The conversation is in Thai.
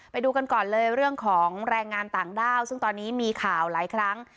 ไปดูกันก่อนเลยเรื่องของแรงงานต่างด้าวซึ่งตอนนี้มีข่าวหลายครั้ง